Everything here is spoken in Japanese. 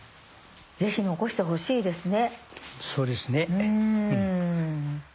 ぜひ残してほしいですね。